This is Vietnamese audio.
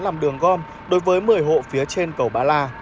làm đường gom đối với một mươi hộ phía trên cầu ba la